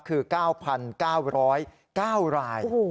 คือ๙๙๐๙ราย